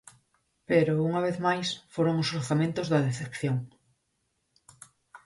Pero, unha vez máis, foron os orzamentos da decepción.